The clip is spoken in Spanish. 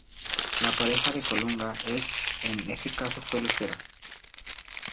La pareja de Colunga es en este caso fue Lucero.